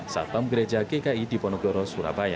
satpam gereja gki diponegoro surabaya